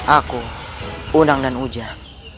aku undang dan ujang